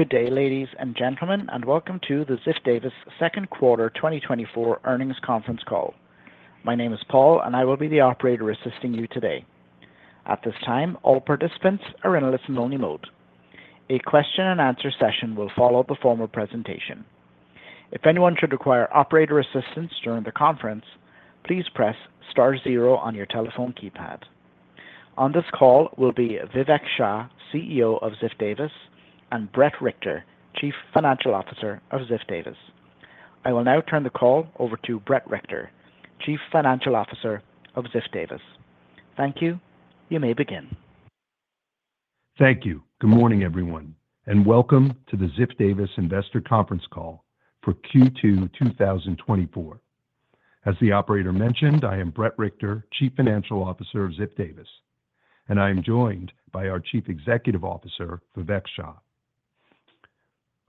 Good day, ladies and gentlemen, and welcome to the Ziff Davis second quarter 2024 earnings conference call. My name is Paul, and I will be the operator assisting you today. At this time, all participants are in a listen-only mode. A question and answer session will follow the formal presentation. If anyone should require operator assistance during the conference, please press star zero on your telephone keypad. On this call will be Vivek Shah, CEO of Ziff Davis, and Bret Richter, Chief Financial Officer of Ziff Davis. I will now turn the call over to Bret Richter, Chief Financial Officer of Ziff Davis. Thank you. You may begin. Thank you. Good morning, everyone, and welcome to the Ziff Davis investor conference call for Q2 2024. As the operator mentioned, I am Bret Richter, Chief Financial Officer of Ziff Davis, and I am joined by our Chief Executive Officer, Vivek Shah.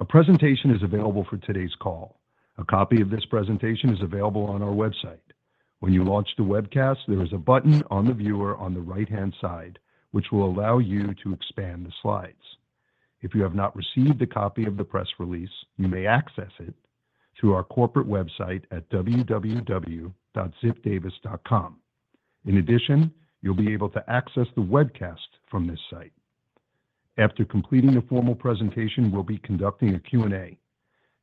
A presentation is available for today's call. A copy of this presentation is available on our website. When you launch the webcast, there is a button on the viewer on the right-hand side, which will allow you to expand the slides. If you have not received a copy of the press release, you may access it through our corporate website at www.ziffdavis.com. In addition, you'll be able to access the webcast from this site. After completing the formal presentation, we'll be conducting a Q&A.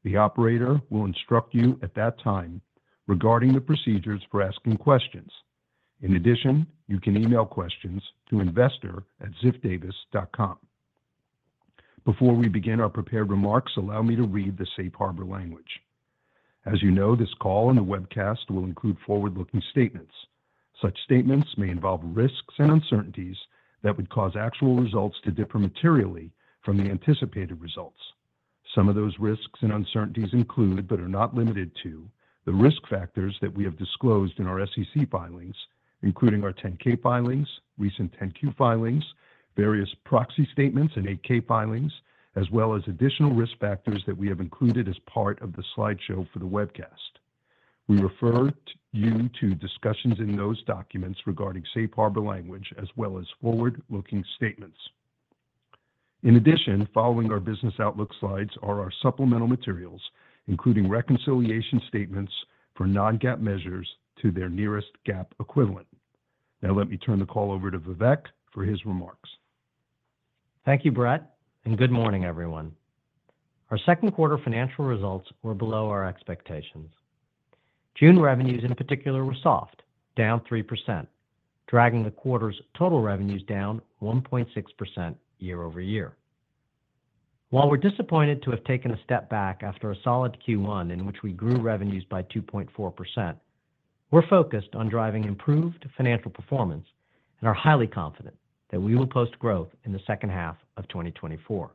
The operator will instruct you at that time regarding the procedures for asking questions. In addition, you can email questions to investor@ziffdavis.com. Before we begin our prepared remarks, allow me to read the safe harbor language. As you know, this call and the webcast will include forward-looking statements. Such statements may involve risks and uncertainties that would cause actual results to differ materially from the anticipated results. Some of those risks and uncertainties include, but are not limited to, the risk factors that we have disclosed in our SEC filings, including our 10-K filings, recent 10-Q filings, various proxy statements and 8-K filings, as well as additional risk factors that we have included as part of the slideshow for the webcast. We refer to you to discussions in those documents regarding safe harbor language as well as forward-looking statements. In addition, following our business outlook slides are our supplemental materials, including reconciliation statements for non-GAAP measures to their nearest GAAP equivalent. Now, let me turn the call over to Vivek for his remarks. Thank you, Bret, and good morning, everyone. Our second quarter financial results were below our expectations. June revenues, in particular, were soft, down 3%, dragging the quarter's total revenues down 1.6% year-over-year. While we're disappointed to have taken a step back after a solid Q1, in which we grew revenues by 2.4%, we're focused on driving improved financial performance and are highly confident that we will post growth in the second half of 2024.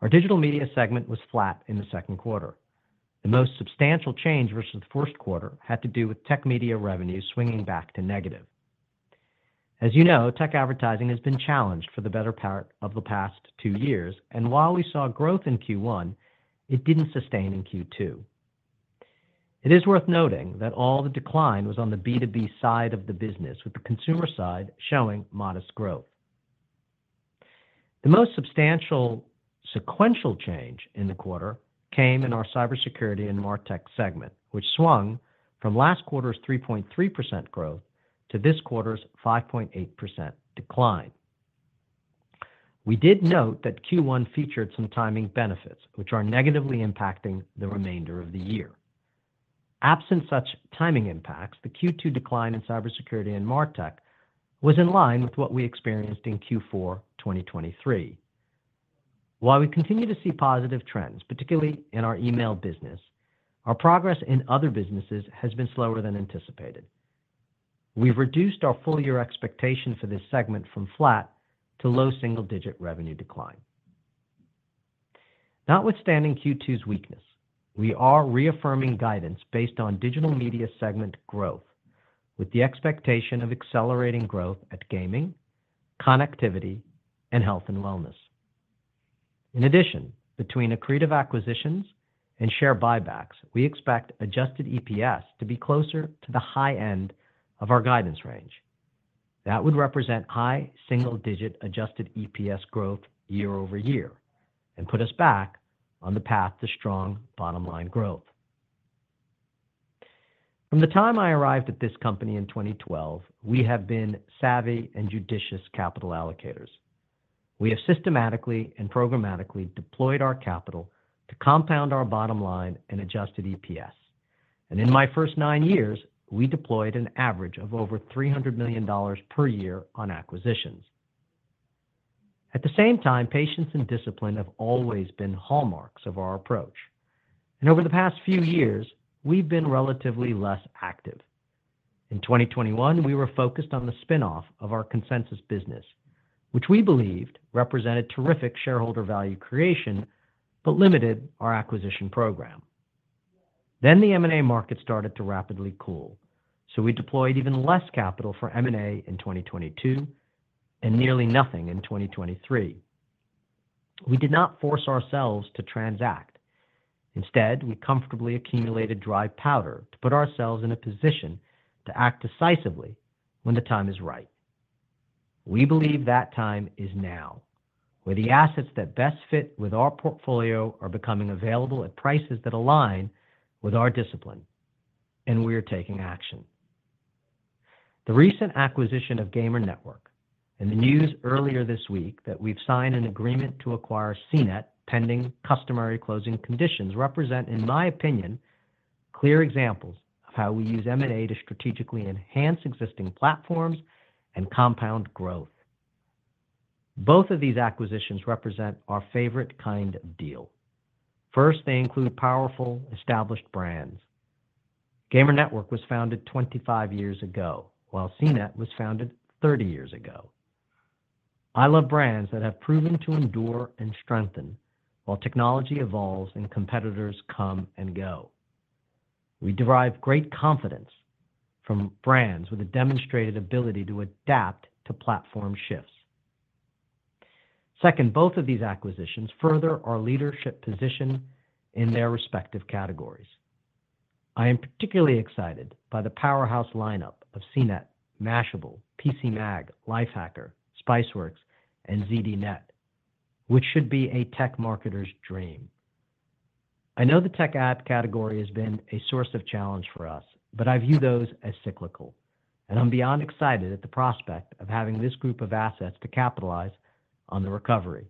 Our digital media segment was flat in the second quarter. The most substantial change versus the first quarter had to do with tech media revenues swinging back to negative. As you know, tech advertising has been challenged for the better part of the past two years, and while we saw growth in Q1, it didn't sustain in Q2. It is worth noting that all the decline was on the B2B side of the business, with the consumer side showing modest growth. The most substantial sequential change in the quarter came in our cybersecurity and MarTech segment, which swung from last quarter's 3.3% growth to this quarter's 5.8% decline. We did note that Q1 featured some timing benefits, which are negatively impacting the remainder of the year. Absent such timing impacts, the Q2 decline in cybersecurity and MarTech was in line with what we experienced in Q4 2023. While we continue to see positive trends, particularly in our email business, our progress in other businesses has been slower than anticipated. We've reduced our full year expectation for this segment from flat to low single-digit revenue decline. Notwithstanding Q2's weakness, we are reaffirming guidance based on digital media segment growth, with the expectation of accelerating growth at gaming, connectivity, and health and wellness. In addition, between accretive acquisitions and share buybacks, we expect adjusted EPS to be closer to the high end of our guidance range. That would represent high single-digit adjusted EPS growth year-over-year and put us back on the path to strong bottom line growth. From the time I arrived at this company in 2012, we have been savvy and judicious capital allocators. We have systematically and programmatically deployed our capital to compound our bottom line and adjusted EPS. And in my first nine years, we deployed an average of over $300 million per year on acquisitions. At the same time, patience and discipline have always been hallmarks of our approach, and over the past few years, we've been relatively less active. In 2021, we were focused on the spinoff of our Consensus business, which we believed represented terrific shareholder value creation, but limited our acquisition program. Then the M&A market started to rapidly cool, so we deployed even less capital for M&A in 2022 and nearly nothing in 2023. We did not force ourselves to transact. Instead, we comfortably accumulated dry powder to put ourselves in a position to act decisively when the time is right. We believe that time is now, where the assets that best fit with our portfolio are becoming available at prices that align with our discipline, and we are taking action. The recent acquisition of Gamer Network and the news earlier this week that we've signed an agreement to acquire CNET, pending customary closing conditions, represent, in my opinion, clear examples of how we use M&A to strategically enhance existing platforms and compound growth. Both of these acquisitions represent our favorite kind of deal. First, they include powerful, established brands. Gamer Network was founded 25 years ago, while CNET was founded 30 years ago. I love brands that have proven to endure and strengthen while technology evolves and competitors come and go. We derive great confidence from brands with a demonstrated ability to adapt to platform shifts. Second, both of these acquisitions further our leadership position in their respective categories. I am particularly excited by the powerhouse lineup of CNET, Mashable, PCMag, Lifehacker, Spiceworks, and ZDNet, which should be a tech marketer's dream. I know the tech ad category has been a source of challenge for us, but I view those as cyclical, and I'm beyond excited at the prospect of having this group of assets to capitalize on the recovery.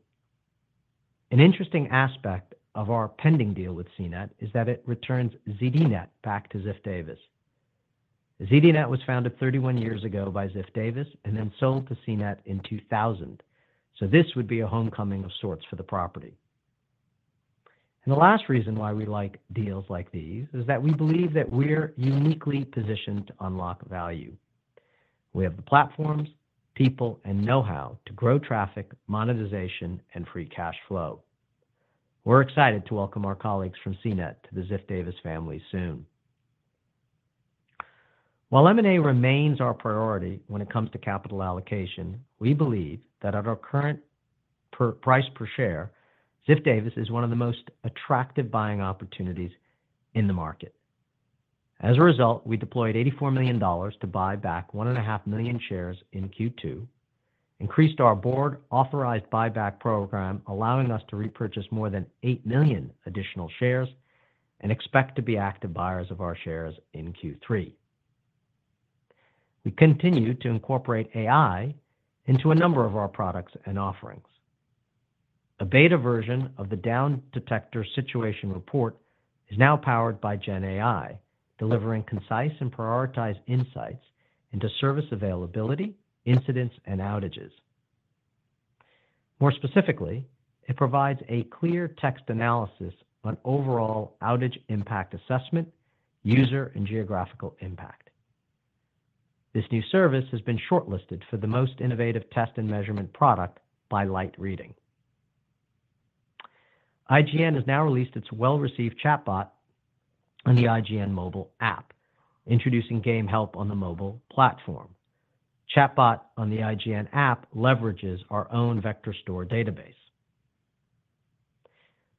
An interesting aspect of our pending deal with CNET is that it returns ZDNet back to Ziff Davis. ZDNet was founded 31 years ago by Ziff Davis and then sold to CNET in 2000, so this would be a homecoming of sorts for the property. The last reason why we like deals like these is that we believe that we're uniquely positioned to unlock value. We have the platforms, people, and know-how to grow traffic, monetization, and free cash flow. We're excited to welcome our colleagues from CNET to the Ziff Davis family soon. While M&A remains our priority when it comes to capital allocation, we believe that at our current price per share, Ziff Davis is one of the most attractive buying opportunities in the market. As a result, we deployed $84 million to buy back 1.5 million shares in Q2, increased our board-authorized buyback program, allowing us to repurchase more than 8 million additional shares, and expect to be active buyers of our shares in Q3. We continue to incorporate AI into a number of our products and offerings. A beta version of the Downdetector Situation Report is now powered by GenAI, delivering concise and prioritized insights into service availability, incidents, and outages. More specifically, it provides a clear text analysis on overall outage impact assessment, user, and geographical impact. This new service has been shortlisted for the Most Innovative Test and Measurement Product by Light Reading. IGN has now released its well-received chatbot on the IGN mobile app, introducing game help on the mobile platform. Chatbot on the IGN app leverages our own vector store database.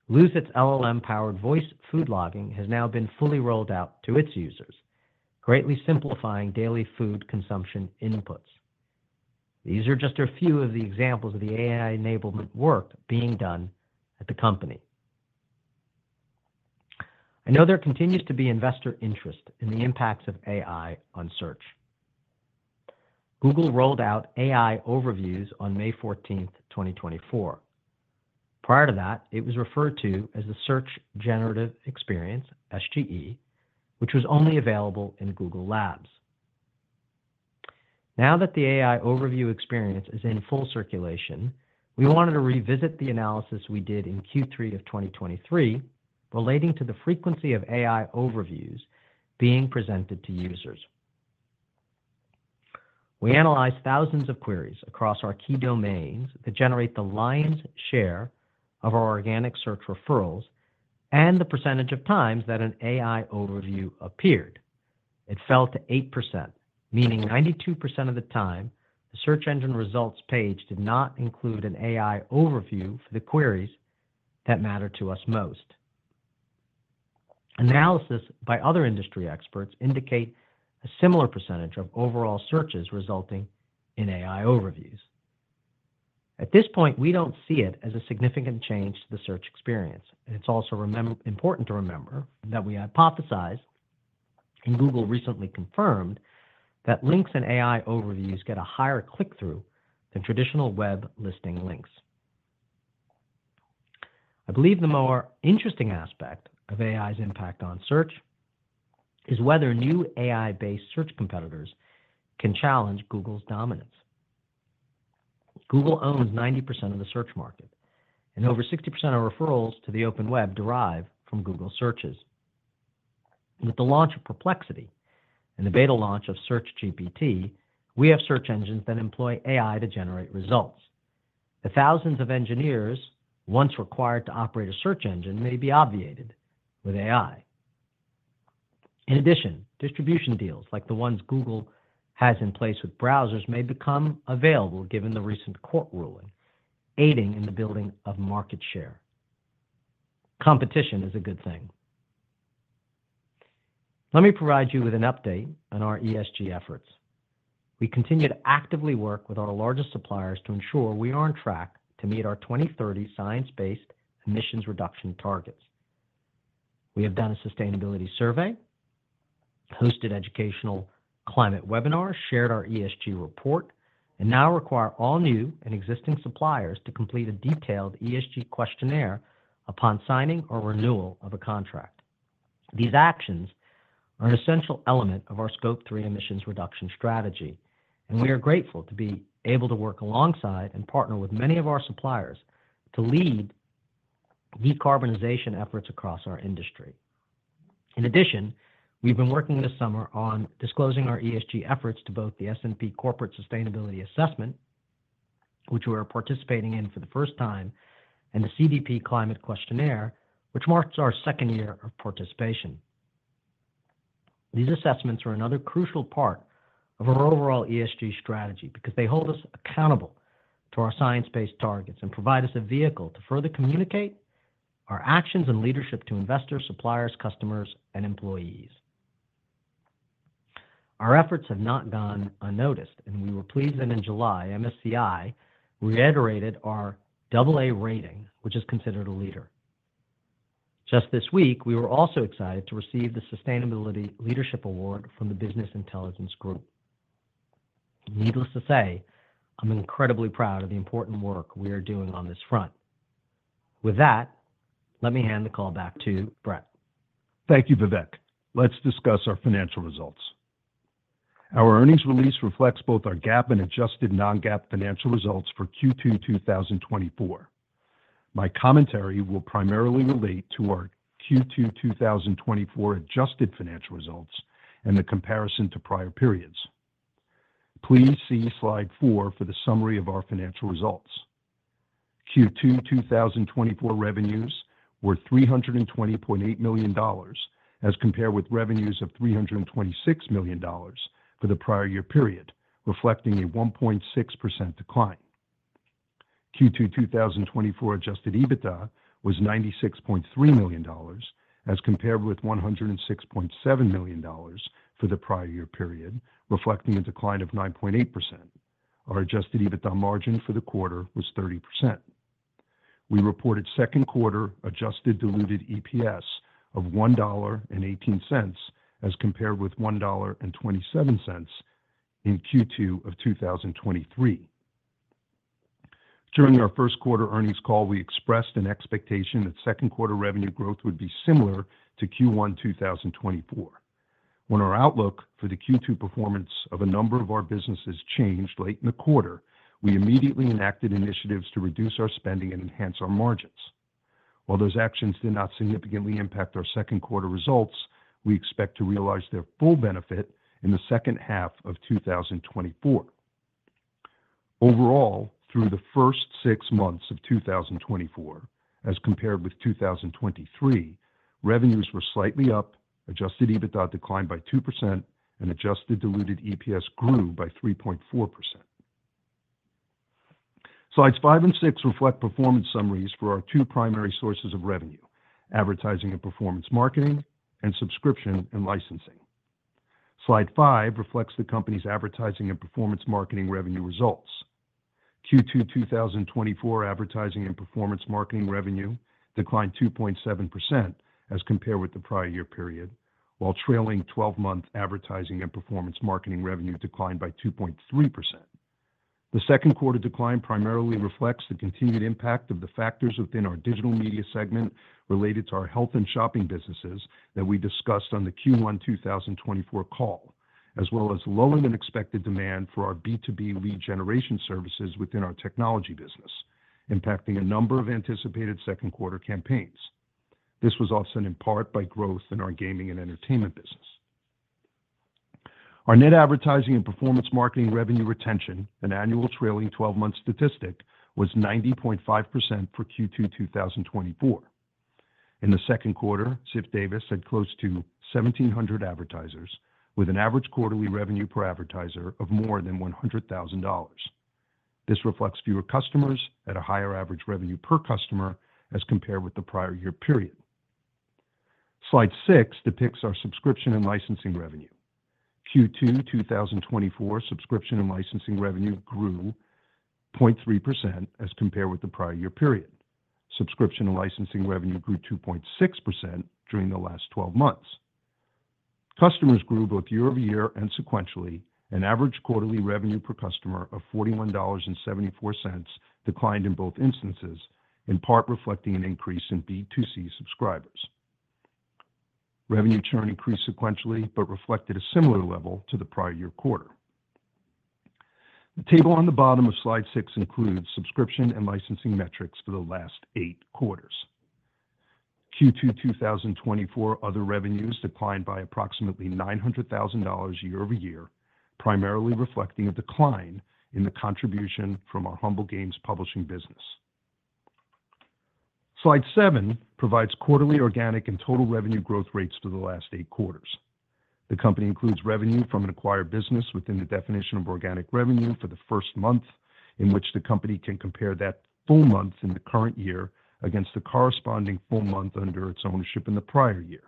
Lose It!'s LLM-powered voice food logging has now been fully rolled out to its users, greatly simplifying daily food consumption inputs. These are just a few of the examples of the AI-enabled work being done at the company. I know there continues to be investor interest in the impacts of AI on search. Google rolled out AI Overviews on May 14th, 2024. Prior to that, it was referred to as the Search Generative Experience, SGE, which was only available in Google Labs. Now that the AI Overview experience is in full circulation, we wanted to revisit the analysis we did in Q3 of 2023 relating to the frequency of AI Overviews being presented to users. We analyzed thousands of queries across our key domains that generate the lion's share of our organic search referrals and the percentage of times that an AI Overview appeared. It fell to 8%, meaning 92% of the time, the search engine results page did not include an AI Overview for the queries that matter to us most. Analysis by other industry experts indicate a similar percentage of overall searches resulting in AI Overviews. At this point, we don't see it as a significant change to the search experience. And it's also important to remember that we hypothesized, and Google recently confirmed, that links in AI Overviews get a higher click-through than traditional web listing links. I believe the more interesting aspect of AI's impact on search is whether new AI-based search competitors can challenge Google's dominance. Google owns 90% of the search market, and over 60% of referrals to the open web derive from Google searches. With the launch of Perplexity and the beta launch of SearchGPT, we have search engines that employ AI to generate results. The thousands of engineers once required to operate a search engine may be obviated with AI. In addition, distribution deals like the ones Google has in place with browsers may become available, given the recent court ruling, aiding in the building of market share. Competition is a good thing. Let me provide you with an update on our ESG efforts. We continue to actively work with our largest suppliers to ensure we are on track to meet our 2030 science-based emissions reduction targets. We have done a sustainability survey, hosted educational climate webinars, shared our ESG report, and now require all new and existing suppliers to complete a detailed ESG questionnaire upon signing or renewal of a contract. These actions are an essential element of our Scope 3 emissions reduction strategy, and we are grateful to be able to work alongside and partner with many of our suppliers to lead decarbonization efforts across our industry. In addition, we've been working this summer on disclosing our ESG efforts to both the S&P Corporate Sustainability Assessment, which we are participating in for the first time, and the CDP Climate Questionnaire, which marks our second year of participation. These assessments are another crucial part of our overall ESG strategy because they hold us accountable to our science-based targets and provide us a vehicle to further communicate our actions and leadership to investors, suppliers, customers, and employees. Our efforts have not gone unnoticed, and we were pleased that in July, MSCI reiterated our AA rating, which is considered a leader. Just this week, we were also excited to receive the Sustainability Leadership Award from the Business Intelligence Group. Needless to say, I'm incredibly proud of the important work we are doing on this front. With that, let me hand the call back to Bret. Thank you, Vivek. Let's discuss our financial results. Our earnings release reflects both our GAAP and adjusted non-GAAP financial results for Q2 2024. My commentary will primarily relate to our Q2 2024 adjusted financial results and the comparison to prior periods. Please see Slide four for the summary of our financial results. Q2 2024 revenues were $320.8 million, as compared with revenues of $326 million for the prior year period, reflecting a 1.6% decline. Q2 2024 adjusted EBITDA was $96.3 million, as compared with $106.7 million for the prior year period, reflecting a decline of 9.8%. Our adjusted EBITDA margin for the quarter was 30%. We reported second quarter adjusted diluted EPS of $1.18, as compared with $1.27 in Q2 of 2023. During our first quarter earnings call, we expressed an expectation that second quarter revenue growth would be similar to Q1 2024. When our outlook for the Q2 performance of a number of our businesses changed late in the quarter, we immediately enacted initiatives to reduce our spending and enhance our margins. While those actions did not significantly impact our second quarter results, we expect to realize their full benefit in the second half of 2024. Overall, through the first six months of 2024, as compared with 2023, revenues were slightly up, adjusted EBITDA declined by 2%, and adjusted diluted EPS grew by 3.4%. Slides five and six reflect performance summaries for our two primary sources of revenue: advertising and performance marketing, and subscription and licensing. Slide five reflects the company's advertising and performance marketing revenue results. Q2 2024 advertising and performance marketing revenue declined 2.7% as compared with the prior year period, while trailing twelve-month advertising and performance marketing revenue declined by 2.3%. The second quarter decline primarily reflects the continued impact of the factors within our digital media segment related to our health and shopping businesses that we discussed on the Q1 2024 call, as well as lower than expected demand for our B2B lead generation services within our technology business, impacting a number of anticipated second quarter campaigns. This was also in part by growth in our gaming and entertainment business. Our net advertising and performance marketing revenue retention, an annual trailing twelve-month statistic, was 90.5% for Q2, 2024. In the second quarter, Ziff Davis had close to 1,700 advertisers, with an average quarterly revenue per advertiser of more than $100,000. This reflects fewer customers at a higher average revenue per customer as compared with the prior year period. Slide six depicts our subscription and licensing revenue. Q2, 2024, subscription and licensing revenue grew 0.3% as compared with the prior year period. Subscription and licensing revenue grew 2.6% during the last twelve months. Customers grew both year-over-year and sequentially, and average quarterly revenue per customer of $41.74 declined in both instances, in part reflecting an increase in B2C subscribers. Revenue churn increased sequentially but reflected a similar level to the prior year quarter. The table on the bottom of Slide six includes subscription and licensing metrics for the last eight quarters. Q2 2024 other revenues declined by approximately $900,000 year-over-year, primarily reflecting a decline in the contribution from our Humble Games publishing business.... Slide seven provides quarterly organic and total revenue growth rates for the last eight quarters. The company includes revenue from an acquired business within the definition of organic revenue for the first month, in which the company can compare that full month in the current year against the corresponding full month under its ownership in the prior year.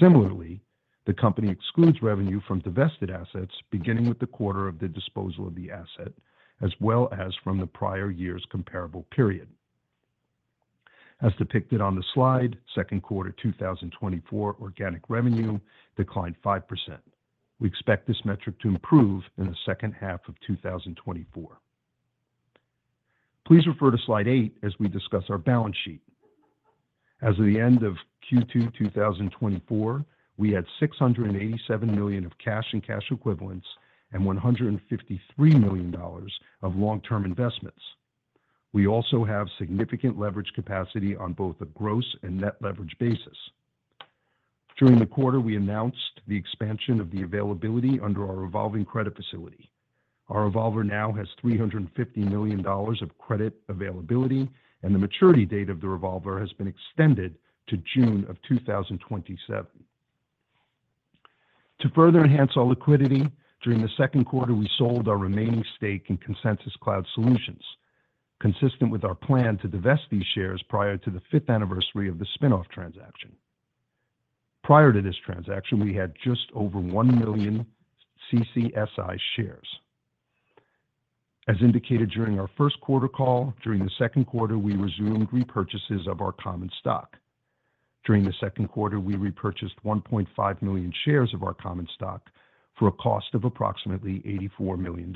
Similarly, the company excludes revenue from divested assets, beginning with the quarter of the disposal of the asset, as well as from the prior year's comparable period. As depicted on the slide, second quarter 2024, organic revenue declined 5%. We expect this metric to improve in the second half of 2024. Please refer to slide eight as we discuss our balance sheet. As of the end of Q2 2024, we had $687 million of cash and cash equivalents, and $153 million of long-term investments. We also have significant leverage capacity on both a gross and net leverage basis. During the quarter, we announced the expansion of the availability under our revolving credit facility. Our revolver now has $350 million of credit availability, and the maturity date of the revolver has been extended to June of 2027. To further enhance our liquidity, during the second quarter, we sold our remaining stake in Consensus Cloud Solutions, consistent with our plan to divest these shares prior to the 5th anniversary of the spin-off transaction. Prior to this transaction, we had just over 1 million CCSI shares. As indicated during our first quarter call, during the second quarter, we resumed repurchases of our common stock. During the second quarter, we repurchased 1.5 million shares of our common stock for a cost of approximately $84 million.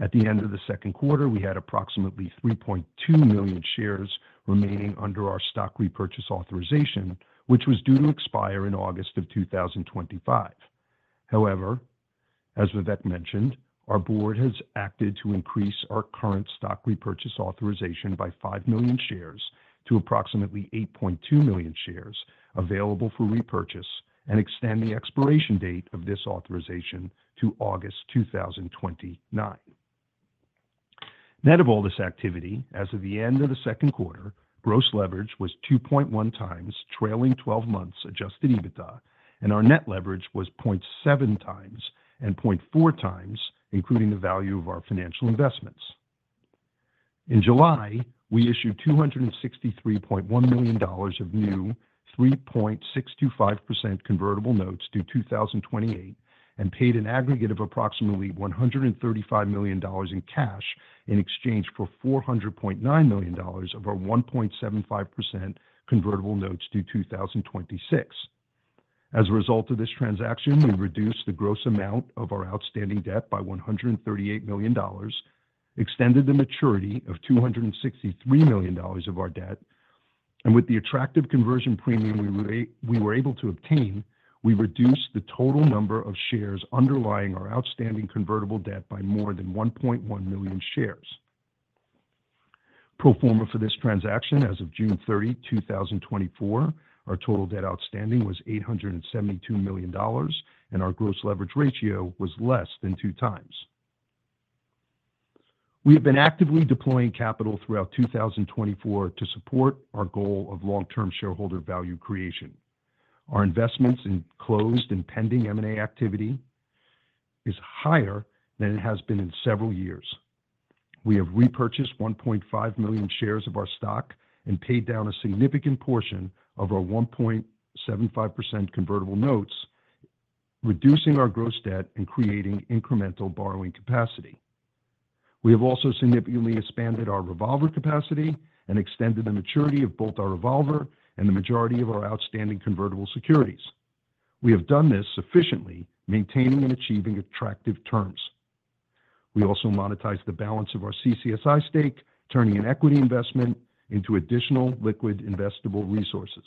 At the end of the second quarter, we had approximately 3.2 million shares remaining under our stock repurchase authorization, which was due to expire in August 2025. However, as Vivek mentioned, our board has acted to increase our current stock repurchase authorization by 5 million shares to approximately 8.2 million shares available for repurchase, and extend the expiration date of this authorization to August 2029. Net of all this activity, as of the end of the second quarter, gross leverage was 2.1x, trailing twelve months Adjusted EBITDA, and our net leverage was 0.7x and 0.4x, including the value of our financial investments. In July, we issued $263.1 million of new 3.625% convertible notes due 2028, and paid an aggregate of approximately $135 million in cash in exchange for $400.9 million of our 1.75% convertible notes due 2026. As a result of this transaction, we reduced the gross amount of our outstanding debt by $138 million, extended the maturity of $263 million of our debt, and with the attractive conversion premium we were able to obtain, we reduced the total number of shares underlying our outstanding convertible debt by more than 1.1 million shares. Pro forma for this transaction as of June 30, 2024, our total debt outstanding was $872 million, and our gross leverage ratio was less than 2x. We have been actively deploying capital throughout 2024 to support our goal of long-term shareholder value creation. Our investments in closed and pending M&A activity is higher than it has been in several years. We have repurchased 1.5 million shares of our stock and paid down a significant portion of our 1.75% convertible notes, reducing our gross debt and creating incremental borrowing capacity. We have also significantly expanded our revolver capacity and extended the maturity of both our revolver and the majority of our outstanding convertible securities. We have done this sufficiently, maintaining and achieving attractive terms. We also monetized the balance of our CCSI stake, turning an equity investment into additional liquid, investable resources.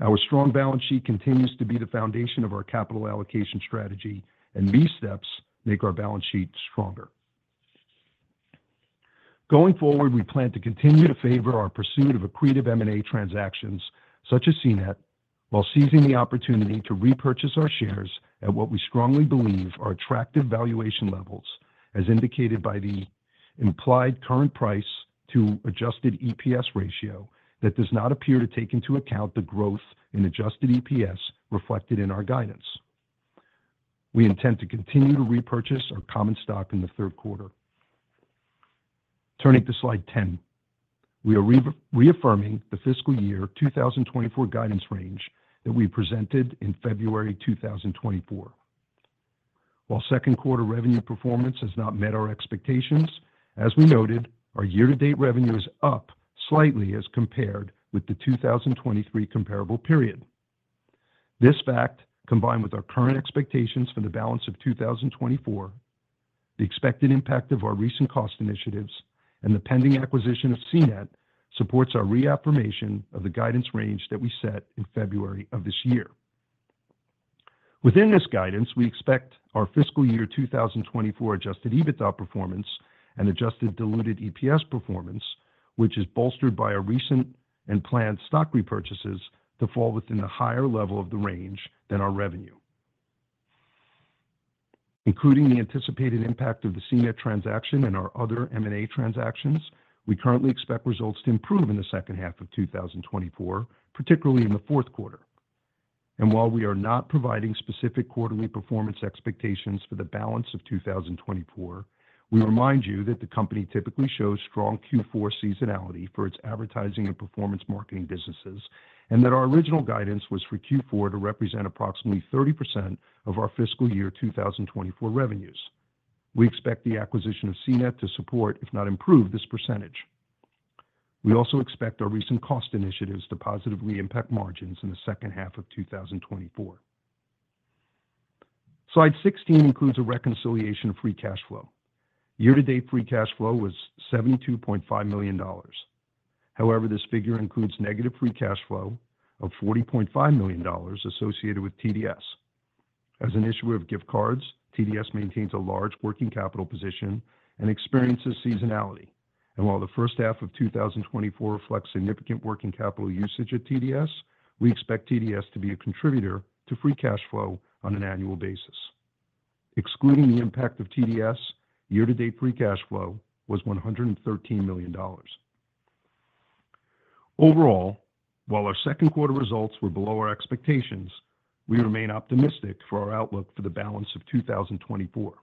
Our strong balance sheet continues to be the foundation of our capital allocation strategy, and these steps make our balance sheet stronger. Going forward, we plan to continue to favor our pursuit of accretive M&A transactions, such as CNET, while seizing the opportunity to repurchase our shares at what we strongly believe are attractive valuation levels, as indicated by the implied current price to adjusted EPS ratio that does not appear to take into account the growth in adjusted EPS reflected in our guidance. We intend to continue to repurchase our common stock in the third quarter. Turning to slide 10. We are reaffirming the fiscal year 2024 guidance range that we presented in February 2024. While second quarter revenue performance has not met our expectations, as we noted, our year-to-date revenue is up slightly as compared with the 2023 comparable period. This fact, combined with our current expectations for the balance of 2024, the expected impact of our recent cost initiatives, and the pending acquisition of CNET, supports our reaffirmation of the guidance range that we set in February of this year. Within this guidance, we expect our fiscal year 2024 Adjusted EBITDA performance and adjusted diluted EPS performance, which is bolstered by our recent and planned stock repurchases, to fall within the higher level of the range than our revenue.... Including the anticipated impact of the CNET transaction and our other M&A transactions, we currently expect results to improve in the second half of 2024, particularly in the fourth quarter. While we are not providing specific quarterly performance expectations for the balance of 2024, we remind you that the company typically shows strong Q4 seasonality for its advertising and performance marketing businesses, and that our original guidance was for Q4 to represent approximately 30% of our fiscal year 2024 revenues. We expect the acquisition of CNET to support, if not improve, this percentage. We also expect our recent cost initiatives to positively impact margins in the second half of 2024. Slide 16 includes a reconciliation of free cash flow. Year-to-date free cash flow was $72.5 million. However, this figure includes negative free cash flow of $40.5 million associated with TDS. As an issuer of gift cards, TDS maintains a large working capital position and experiences seasonality. And while the first half of 2024 reflects significant working capital usage at TDS, we expect TDS to be a contributor to free cash flow on an annual basis. Excluding the impact of TDS, year-to-date free cash flow was $113 million. Overall, while our second quarter results were below our expectations, we remain optimistic for our outlook for the balance of 2024.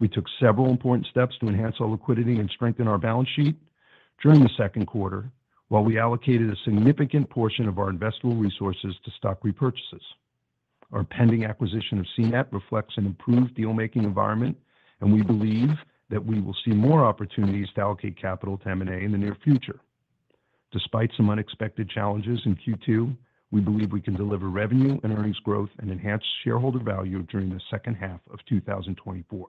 We took several important steps to enhance our liquidity and strengthen our balance sheet during the second quarter, while we allocated a significant portion of our investable resources to stock repurchases. Our pending acquisition of CNET reflects an improved deal-making environment, and we believe that we will see more opportunities to allocate capital to M&A in the near future. Despite some unexpected challenges in Q2, we believe we can deliver revenue and earnings growth and enhance shareholder value during the second half of 2024.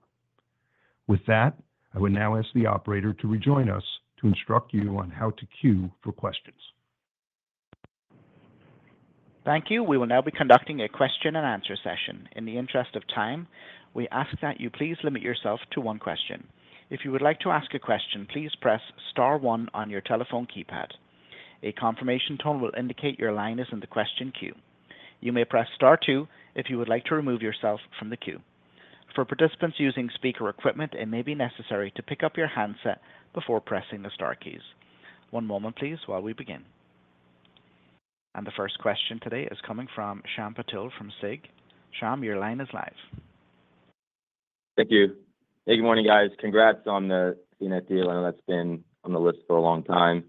With that, I will now ask the operator to rejoin us to instruct you on how to queue for questions. Thank you. We will now be conducting a question-and-answer session. In the interest of time, we ask that you please limit yourself to one question. If you would like to ask a question, please press star one on your telephone keypad. A confirmation tone will indicate your line is in the question queue. You may press star two if you would like to remove yourself from the queue. For participants using speaker equipment, it may be necessary to pick up your handset before pressing the star keys. One moment please while we begin. The first question today is coming from Shyam Patil from SIG. Shyam, your line is live. Thank you. Hey, good morning, guys. Congrats on the CNET deal, I know that's been on the list for a long time.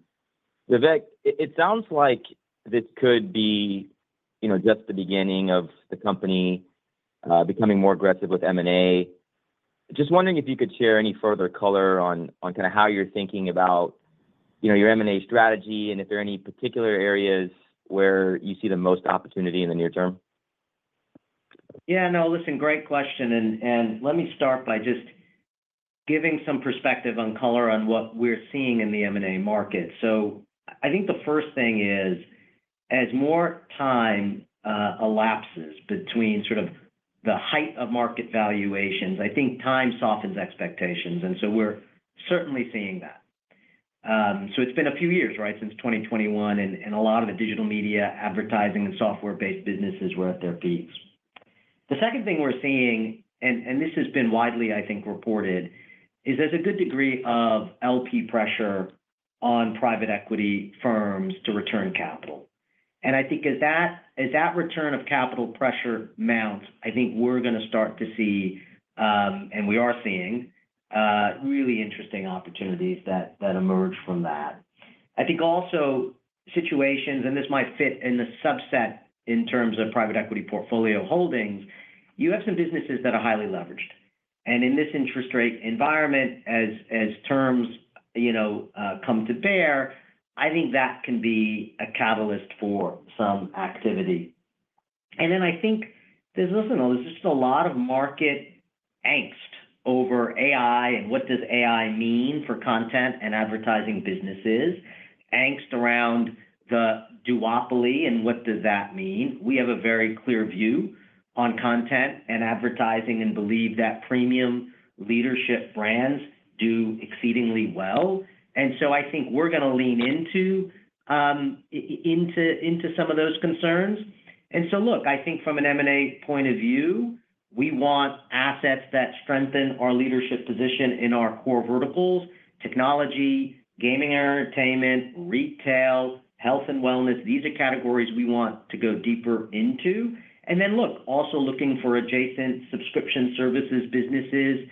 Vivek, it sounds like this could be, you know, just the beginning of the company becoming more aggressive with M&A. Just wondering if you could share any further color on kind of how you're thinking about, you know, your M&A strategy and if there are any particular areas where you see the most opportunity in the near term? Yeah, no. Listen, great question, and let me start by just giving some perspective on color on what we're seeing in the M&A market. So I think the first thing is, as more time elapses between sort of the height of market valuations, I think time softens expectations, and so we're certainly seeing that. So it's been a few years, right, since 2021, and a lot of the digital media advertising and software-based businesses were at their peaks. The second thing we're seeing, and this has been widely, I think, reported, is there's a good degree of LP pressure on private equity firms to return capital. And I think as that return of capital pressure mounts, I think we're gonna start to see, and we are seeing, really interesting opportunities that emerge from that. I think also situations, and this might fit in the subset in terms of private equity portfolio holdings, you have some businesses that are highly leveraged. And in this interest rate environment, as terms, you know, come to bear, I think that can be a catalyst for some activity. And then I think there's, listen, there's just a lot of market angst over AI and what does AI mean for content and advertising businesses, angst around the duopoly and what does that mean? We have a very clear view on content and advertising and believe that premium leadership brands do exceedingly well. And so I think we're gonna lean into into some of those concerns. And so look, I think from an M&A point of view, we want assets that strengthen our leadership position in our core verticals: technology, gaming and entertainment, retail, health and wellness. These are categories we want to go deeper into. And then look, also looking for adjacent subscription services businesses,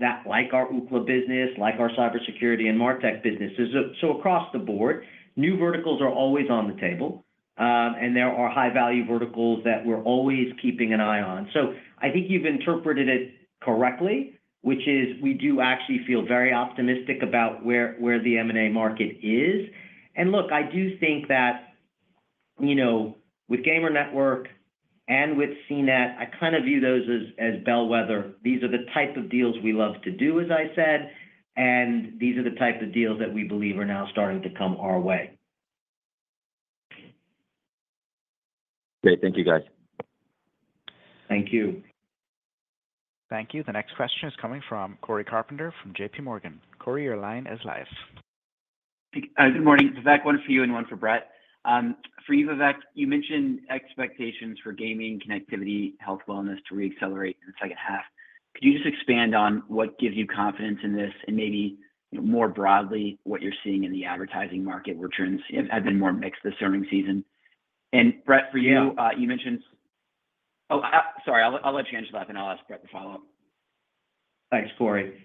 that like our Ookla business, like our cybersecurity and MarTech businesses. So across the board, new verticals are always on the table, and there are high-value verticals that we're always keeping an eye on. So I think you've interpreted it correctly, which is we do actually feel very optimistic about where, where the M&A market is. And look, I do think that, you know, with Gamer Network and with CNET, I kind of view those as, as bellwether. These are the type of deals we love to do, as I said, and these are the type of deals that we believe are now starting to come our way. Great. Thank you, guys. Thank you. Thank you. The next question is coming from Cory Carpenter from JPMorgan. Corey, your line is live. ... Good morning. Vivek, one for you and one for Bret. For you, Vivek, you mentioned expectations for gaming, connectivity, health, wellness to reaccelerate in the second half. Could you just expand on what gives you confidence in this, and maybe more broadly, what you're seeing in the advertising market, where trends have been more mixed this earnings season? And Bret, for you- Yeah. You mentioned... Oh, sorry, I'll let you answer that, and I'll ask Bret to follow up. Thanks, Cory.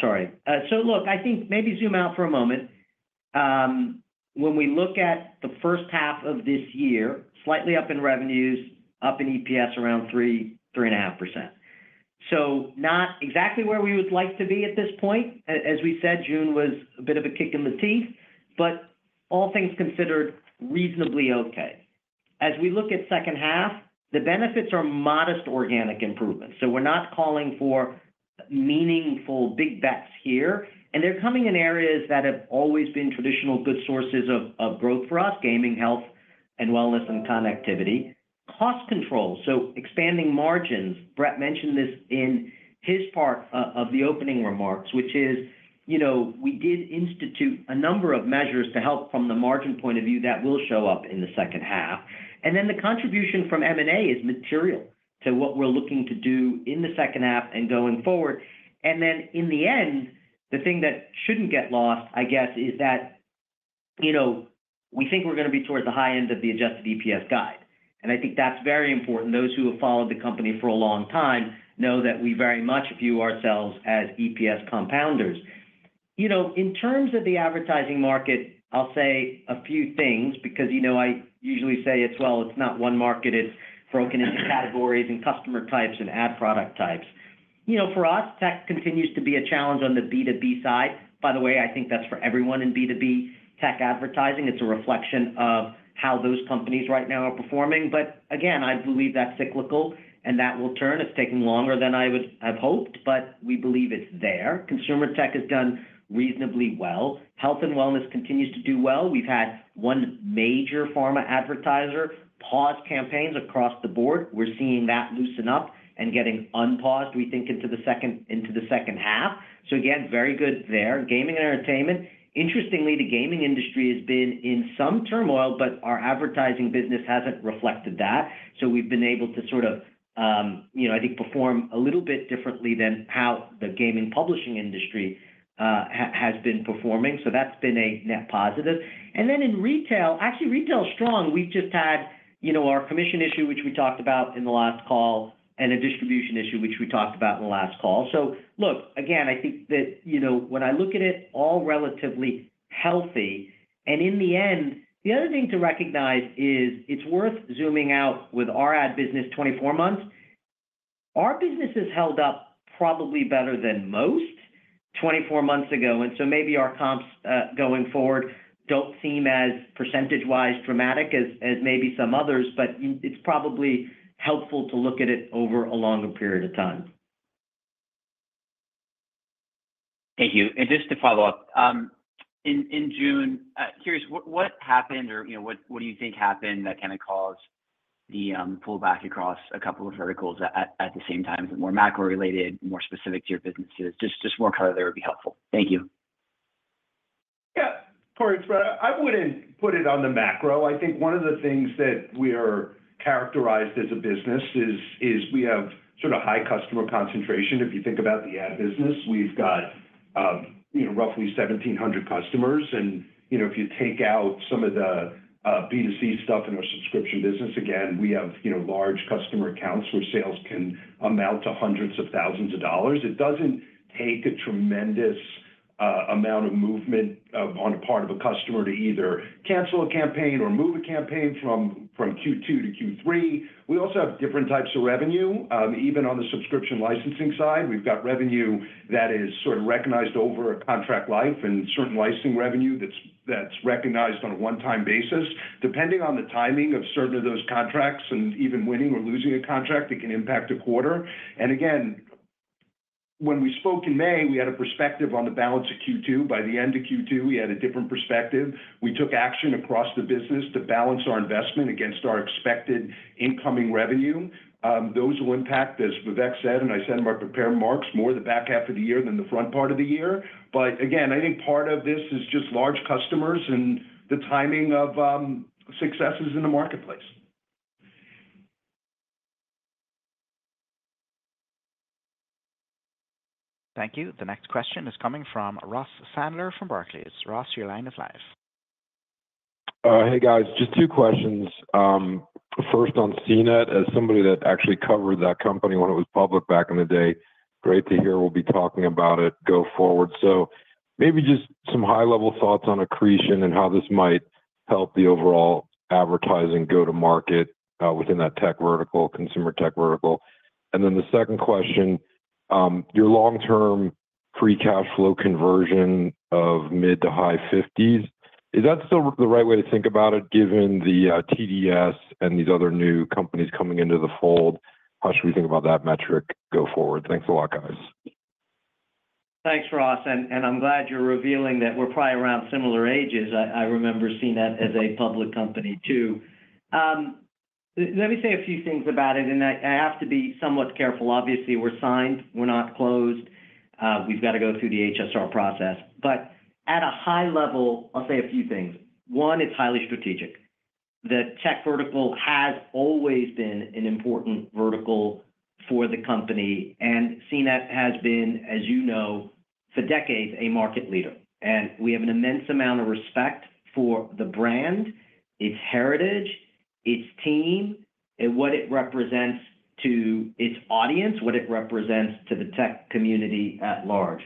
Sorry. So look, I think maybe zoom out for a moment. When we look at the first half of this year, slightly up in revenues, up in EPS, around 3%-3.5%. So not exactly where we would like to be at this point. As we said, June was a bit of a kick in the teeth, but all things considered, reasonably okay. As we look at second half, the benefits are modest organic improvements, so we're not calling for meaningful big bets here, and they're coming in areas that have always been traditional good sources of growth for us: gaming, health and wellness, and connectivity. Cost control, so expanding margins. Bret mentioned this in his part of the opening remarks, which is, you know, we did institute a number of measures to help from the margin point of view. That will show up in the second half. And then the contribution from M&A is material to what we're looking to do in the second half and going forward. And then, in the end, the thing that shouldn't get lost, I guess, is that, you know, we think we're gonna be towards the high end of the adjusted EPS guide, and I think that's very important. Those who have followed the company for a long time know that we very much view ourselves as EPS compounders. You know, in terms of the advertising market, I'll say a few things because, you know, I usually say it's, well, it's not one market. It's broken into categories and customer types and ad product types. You know, for us, tech continues to be a challenge on the B2B side. By the way, I think that's for everyone in B2B tech advertising. It's a reflection of how those companies right now are performing. But again, I believe that's cyclical and that will turn. It's taking longer than I would- I've hoped, but we believe it's there. Consumer tech has done reasonably well. Health and wellness continues to do well. We've had one major pharma advertiser pause campaigns across the board. We're seeing that loosen up and getting unpaused, we think, into the second, into the second half. So again, very good there. Gaming and entertainment. Interestingly, the gaming industry has been in some turmoil, but our advertising business hasn't reflected that, so we've been able to sort of, you know, I think, perform a little bit differently than how the gaming publishing industry has been performing. So that's been a net positive. And then in retail... Actually, retail is strong. We've just had, you know, our commission issue, which we talked about in the last call, and a distribution issue, which we talked about in the last call. So look, again, I think that, you know, when I look at it, all relatively healthy. And in the end, the other thing to recognize is it's worth zooming out with our ad business 24 months. Our business has held up probably better than most 24 months ago, and so maybe our comps going forward don't seem as percentage-wise dramatic as maybe some others, but it, it's probably helpful to look at it over a longer period of time. Thank you. Just to follow up, in June, curious, what happened or, you know, what do you think happened that kind of caused the pullback across a couple of verticals at the same time? Is it more macro-related, more specific to your businesses? Just more color there would be helpful. Thank you. Yeah. Cory, it's Bret. I wouldn't put it on the macro. I think one of the things that we are characterized as a business is, is we have sort of high customer concentration. If you think about the ad business, we've got, you know, roughly 1,700 customers. And, you know, if you take out some of the B2C stuff in our subscription business, again, we have, you know, large customer accounts where sales can amount to hundreds of thousands of dollars. It doesn't take a tremendous amount of movement on the part of a customer to either cancel a campaign or move a campaign from Q2 to Q3. We also have different types of revenue. Even on the subscription licensing side, we've got revenue that is sort of recognized over a contract life and certain licensing revenue that's, that's recognized on a one-time basis. Depending on the timing of certain of those contracts and even winning or losing a contract, it can impact a quarter. And again, when we spoke in May, we had a perspective on the balance of Q2. By the end of Q2, we had a different perspective. We took action across the business to balance our investment against our expected incoming revenue. Those will impact, as Vivek said, and I said in my prepared remarks, more the back half of the year than the front part of the year. But again, I think part of this is just large customers and the timing of successes in the marketplace. Thank you. The next question is coming from Ross Sandler from Barclays. Ross, your line is live. Hey, guys. Just two questions. First on CNET. As somebody that actually covered that company when it was public back in the day, great to hear we'll be talking about it go forward. So maybe just some high-level thoughts on accretion and how this might help the overall advertising go to market within that tech vertical, consumer tech vertical. Then the second question, your long-term free cash flow conversion of mid- to high 50s, is that still the right way to think about it, given the TDS and these other new companies coming into the fold? How should we think about that metric go forward? Thanks a lot, guys. Thanks, Ross, and I'm glad you're revealing that we're probably around similar ages. I, I remember CNET as a public company, too. Let me say a few things about it, and I, I have to be somewhat careful. Obviously, we're signed, we're not closed, we've got to go through the HSR process. But at a high level, I'll say a few things. One, it's highly strategic. The tech vertical has always been an important vertical for the company, and CNET has been, as you know, for decades, a market leader. And we have an immense amount of respect for the brand, its heritage, its team, and what it represents to its audience, what it represents to the tech community at large.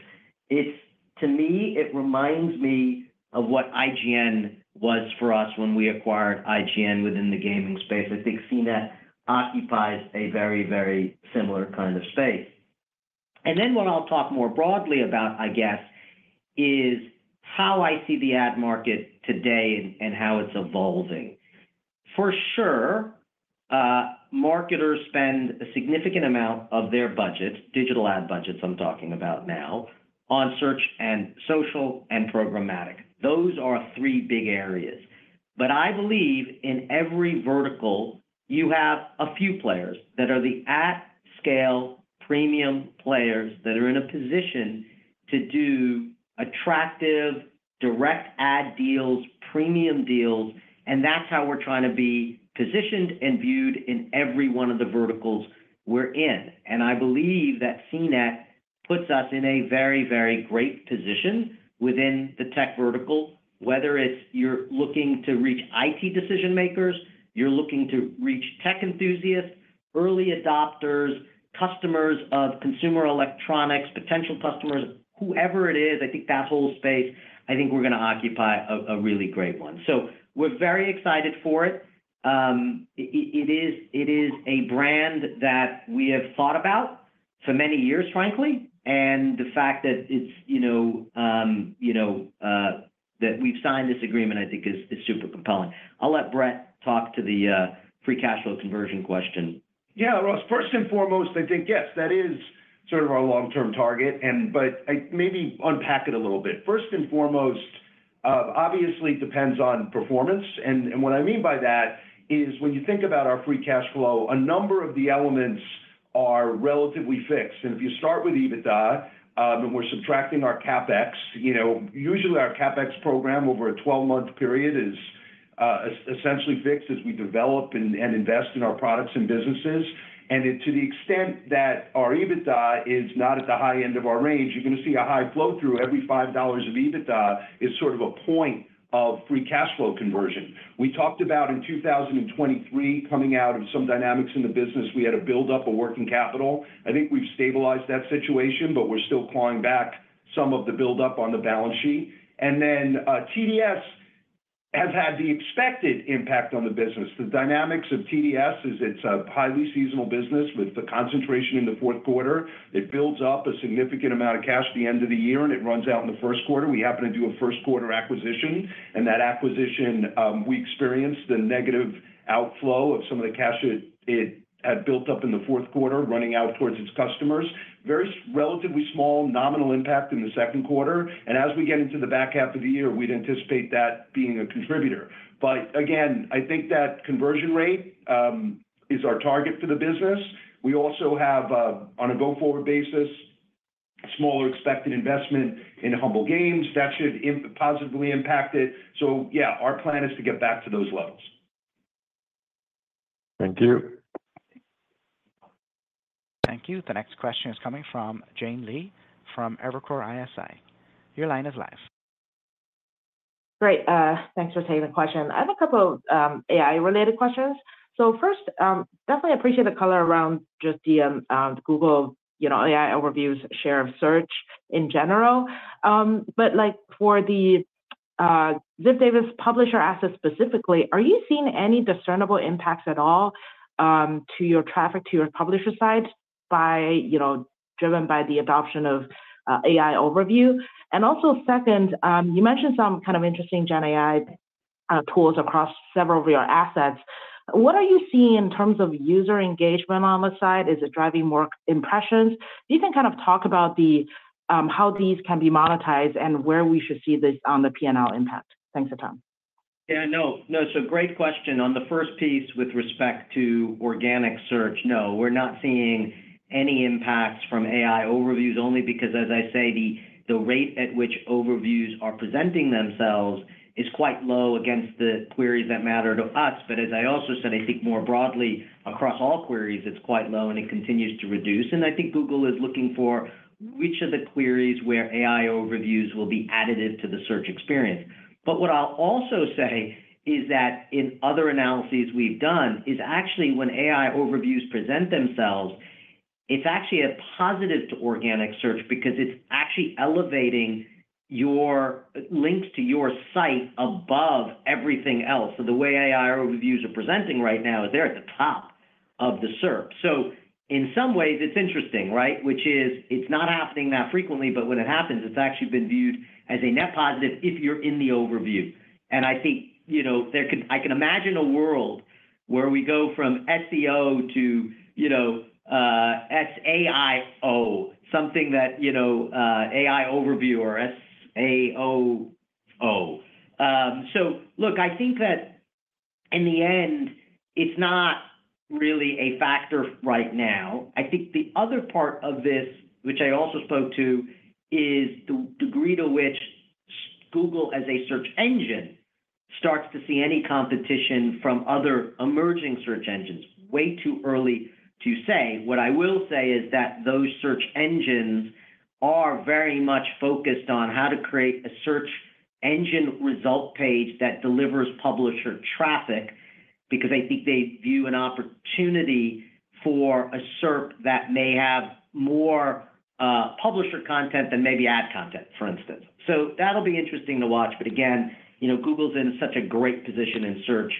It. To me, it reminds me of what IGN was for us when we acquired IGN within the gaming space. I think CNET occupies a very, very similar kind of space. And then what I'll talk more broadly about, I guess, is how I see the ad market today and how it's evolving. For sure, marketers spend a significant amount of their budget, digital ad budgets I'm talking about now, on search and social and programmatic. Those are our three big areas. But I believe in every vertical, you have a few players that are the at-scale premium players that are in a position to do attractive direct ad deals, premium deals, and that's how we're trying to be positioned and viewed in every one of the verticals we're in. I believe that CNET puts us in a very, very great position within the tech vertical, whether it's you're looking to reach IT decision-makers, you're looking to reach tech enthusiasts, early adopters, customers of consumer electronics, potential customers, whoever it is, I think that whole space, I think we're gonna occupy a really great one. So we're very excited for it. It is a brand that we have thought about for many years, frankly, and the fact that it's, you know, that we've signed this agreement, I think is super compelling. I'll let Bret talk to the free cash flow conversion question. Yeah, Ross, first and foremost, I think, yes, that is sort of our long-term target, and but I maybe unpack it a little bit. First and foremost, obviously, it depends on performance, and what I mean by that is when you think about our free cash flow, a number of the elements are relatively fixed. And if you start with EBITDA, then we're subtracting our CapEx. You know, usually our CapEx program over a 12-month period is essentially fixed as we develop and invest in our products and businesses. And then to the extent that our EBITDA is not at the high end of our range, you're gonna see a high flow-through. Every $5 of EBITDA is sort of a point of free cash flow conversion. We talked about in 2023, coming out of some dynamics in the business, we had to build up a working capital. I think we've stabilized that situation, but we're still clawing back some of the buildup on the balance sheet. And then, TDS has had the expected impact on the business. The dynamics of TDS is it's a highly seasonal business with the concentration in the fourth quarter. It builds up a significant amount of cash at the end of the year, and it runs out in the first quarter. We happen to do a first-quarter acquisition, and that acquisition, we experienced the negative outflow of some of the cash it had built up in the fourth quarter, running out towards its customers. Very relatively small nominal impact in the second quarter, and as we get into the back half of the year, we'd anticipate that being a contributor. But again, I think that conversion rate is our target for the business. We also have, on a go-forward basis, a smaller expected investment in Humble Games that should positively impact it. So yeah, our plan is to get back to those levels. Thank you. Thank you. The next question is coming from Jian Li from Evercore ISI. Your line is live. Great, thanks for taking the question. I have a couple of AI-related questions. First, definitely appreciate the color around just the Google, you know, AI Overviews, share of Search in general. But like for the Ziff Davis publisher assets specifically, are you seeing any discernible impacts at all to your traffic, to your publisher site by, you know, driven by the adoption of AI Overview? And also second, you mentioned some kind of interesting GenAI tools across several of your assets. What are you seeing in terms of user engagement on the side? Is it driving more impressions? You can kind of talk about the how these can be monetized and where we should see this on the P&L impact. Thanks for your time. Yeah, no, no, it's a great question. On the first piece, with respect to organic search, no, we're not seeing any impacts from AI Overviews, only because, as I say, the rate at which Overviews are presenting themselves is quite low against the queries that matter to us. But as I also said, I think more broadly across all queries, it's quite low, and it continues to reduce. And I think Google is looking for which of the queries where AI Overviews will be additive to the search experience. But what I'll also say is that in other analyses we've done, is actually when AI Overviews present themselves, it's actually a positive to organic search because it's actually elevating your links to your site above everything else. So the way AI Overviews are presenting right now is they're at the top of the search. So in some ways, it's interesting, right? Which is, it's not happening that frequently, but when it happens, it's actually been viewed as a net positive if you're in the overview. And I think, you know, there can-- I can imagine a world where we go from SEO to, you know, SAIO, something that, you know, AI Overview or SAO... Oh, so look, I think that in the end, it's not really a factor right now. I think the other part of this, which I also spoke to, is the degree to which Google, as a search engine, starts to see any competition from other emerging search engines. Way too early to say. What I will say is that those search engines are very much focused on how to create a search engine result page that delivers publisher traffic, because I think they view an opportunity for a SERP that may have more, publisher content than maybe ad content, for instance. So that'll be interesting to watch. But again, you know, Google's in such a great position in search,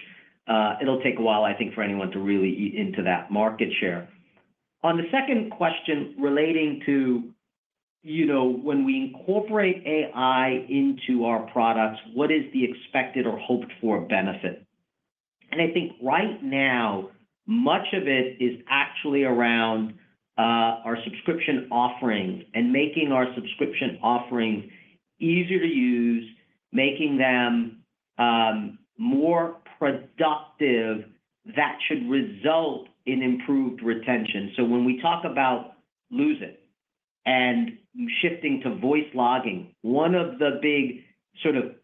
it'll take a while, I think, for anyone to really eat into that market share. On the second question, relating to, you know, when we incorporate AI into our products, what is the expected or hoped-for benefit? And I think right now, much of it is actually around, our subscription offerings and making our subscription offerings easier to use, making them, more productive. That should result in improved retention. So when we talk about Lose It! And shifting to voice logging, one of the big sort of